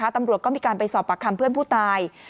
ตำรวจก็มีการไปสอบปากคำเพื่อนผู้ตาย